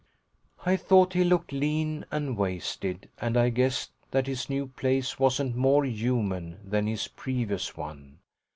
I thought he looked lean and wasted, and I guessed that his new place wasn't more "human" than his previous one.